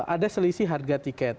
ada selisih harga tiket